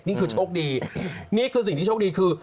นี่คือโชคดีนี่คือสิ่งที่โชคดีคือ